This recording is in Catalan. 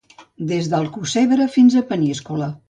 Des d'Alcossebre fins a Peníscola.